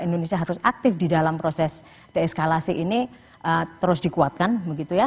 indonesia harus aktif di dalam proses deeskalasi ini terus dikuatkan begitu ya